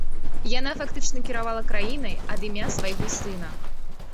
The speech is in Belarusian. Яна фактычна кіравала краінай ад імя свайго сына.